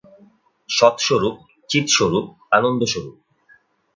সৎস্বরূপ, চিৎস্বরূপ, আনন্দস্বরূপ।